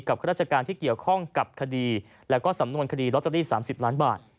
ข้าราชการที่เกี่ยวข้องกับคดีแล้วก็สำนวนคดีลอตเตอรี่๓๐ล้านบาท